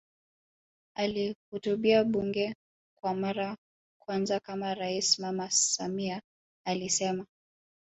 Akilihutubia bunge kwa mara kwanza kama rais Mama Samia alisema